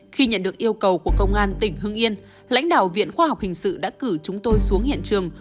khi nhận được yêu cầu của công an tỉnh hưng yên lãnh đạo viện khoa học hình sự đã cử chúng tôi xuống hiện trường